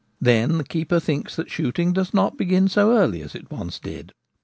Then the keeper thinks that shooting does not be gin so early as it once did.